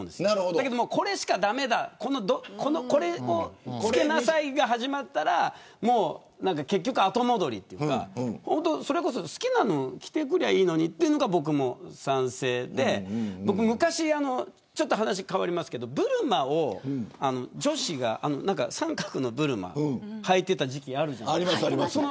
ただ、これしか駄目だこれをつけなさいが始まったら結局、後戻りというかそれこそ好きなのを着てくりゃいいのにというのは僕も賛成でちょっと話変わりますけど昔、ブルマを女子が三角のをはいていた時期があるでしょう。